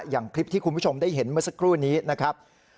อย่างคลิปที่คุณผู้ชมได้เห็นเมื่อสักครู่นี้นะครับ